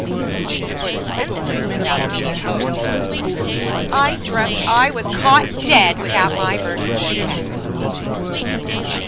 _" And, for the spinster without immediate hopes, "_I Dreamt I Was Caught Dead Without My Virginform Casket!